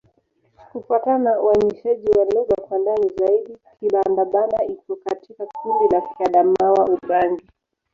Kufuatana na uainishaji wa lugha kwa ndani zaidi, Kibanda-Banda iko katika kundi la Kiadamawa-Ubangi.